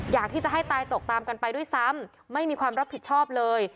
อยากที่จะให้ตายตกตามกันไปด้วยซ้ำไม่มีความรับผิดชอบเลย